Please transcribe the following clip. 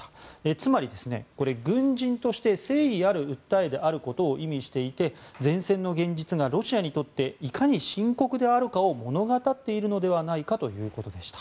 つまり、軍人として誠意ある訴えであることを意味していて前線の現実がロシアにとっていかに深刻であるかを物語っているのではないかということでした。